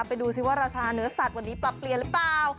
ดูสิว่าราคาเนื้อสัตว์วันนี้ปรับเปลี่ยนหรือเปล่า